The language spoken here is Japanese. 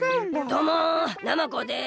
どもナマコです。